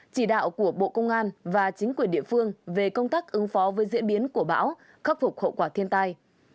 chỉ đạo của bộ công an và chính quyền địa phương về công tác ứng phó với diễn biến của bão khắc phục hậu quả thiên tai